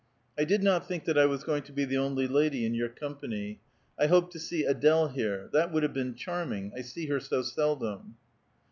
I did not think that I was going to be the only lady in .your company ; I hoped to see Ad61e here. That would have been charming, I see her so seldom."